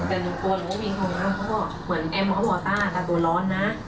แต่หนูก็วิ่งเข้ามาเขาก็บอกว่าแอมหมอบอกว่าตาตาตัวร้อนนะ